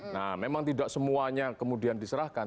nah memang tidak semuanya kemudian diserahkan